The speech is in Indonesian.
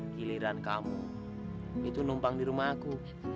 giliran kamu itu numpang di rumah aku